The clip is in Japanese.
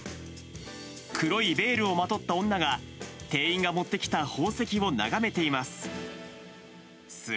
黒いベールをまとった女が、店員が持ってきた宝石を眺めています。